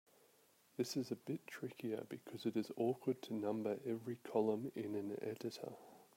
This is a bit trickier because it is awkward to number every column in an editor.